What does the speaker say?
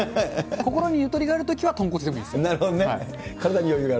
心にゆとりがあるときは豚骨でもいいんですよ。